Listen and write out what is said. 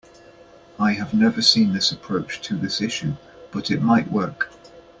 I have never seen this approach to this issue, but it might work.